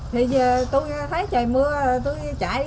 thì tôi thấy trời mưa tôi chạy